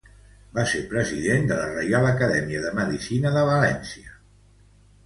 Va ser president de la Reial Acadèmia de Medicina de València.